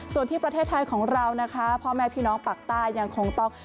ส่วนที่ประเทศไทยของเรานะคะพ่อแม่พี่น้องปากใต้ยังคงต้อง